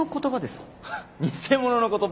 ハッ偽物の言葉？